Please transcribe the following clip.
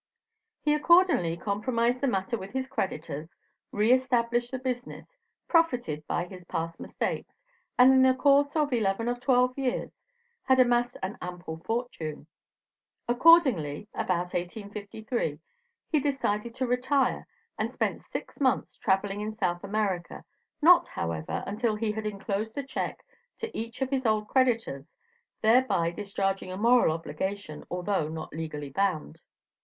He accordingly compromised the matter with his creditors, re established the business, profited by his past mistakes, and in the course of eleven or twelve years had amassed an ample fortune. Accordingly, about 1853, he decided to retire, and spent six months traveling in South America, not, however, until he had enclosed a check to each of his old creditors, thereby discharging a moral obligation, although not legally bound.